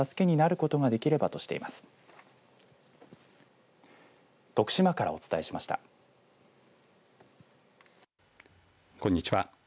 こんにちは。